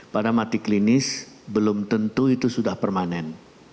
pada mati klinis belum tentu itu sudah permanen